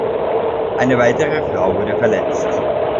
Eine weitere Frau wurde verletzt.